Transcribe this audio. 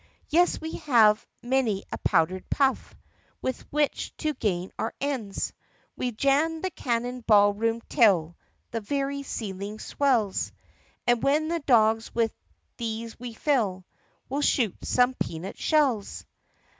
"Yes, we have many a powder puff With which to gain our ends. We 've jammed the cannon ball room till The very ceiling swells. And when the dogs with these we fill We'll shoot some peanut shells!"